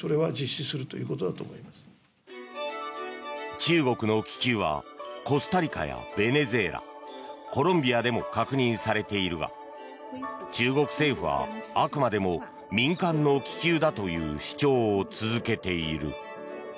中国の気球はコスタリカやベネズエラコロンビアでも確認されているが中国政府はあくまでも民間の気球だという主張を続けている。